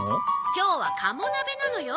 今日はカモ鍋なのよ。